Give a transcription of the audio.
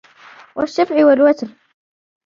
وَالشَّفْعِ وَالْوَتْرِ